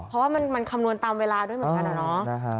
เพราะว่ามันคำนวณตามเวลาด้วยเหมือนกันอะเนาะ